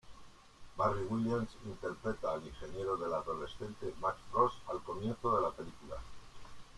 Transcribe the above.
Barry Williams interpreta al ingeniero del adolescente Max Frost al comienzo de la película.